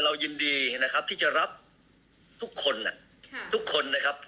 เรายินดีนะครับที่จะรับทุกคนทุกคนนะครับ